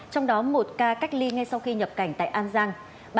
trong đó một ca cách ly ngay sau khi nhập cảnh tại an giang